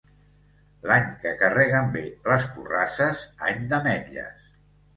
L'any que carreguen bé les porrasses, any d'ametlles.